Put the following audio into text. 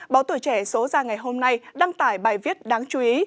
báo tuổi trẻ số ra ngày hôm nay đăng tải bài viết đáng chú ý